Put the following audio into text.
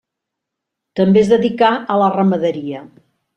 També es dedicà a la ramaderia.